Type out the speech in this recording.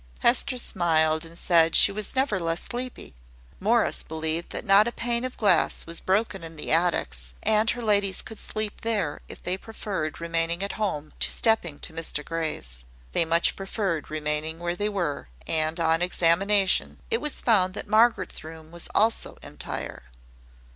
Hester smiled, and said she was never less sleepy. Morris believed that not a pane of glass was broken in the attics, and her ladies could sleep there, if they preferred remaining at home to stepping to Mr Grey's. They much preferred remaining where they were: and, on examination, it was found that Margaret's room was also entire.